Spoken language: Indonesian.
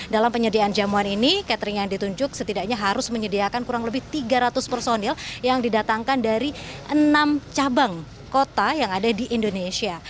dalam penyediaan jamuan ini catering yang ditunjuk setidaknya harus menyediakan kurang lebih tiga ratus personil yang didatangkan dari enam cabang kota yang ada di indonesia